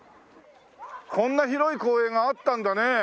こんな広い公園があったんだね。